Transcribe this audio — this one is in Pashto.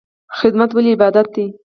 خدمت ولې عبادت دی؟